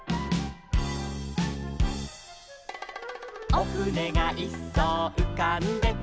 「おふねがいっそううかんでた」